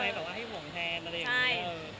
แบบว่าให้ห่วงแทนอะไรอย่างนี้